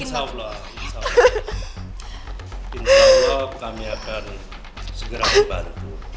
insya allah kami akan segera dibantu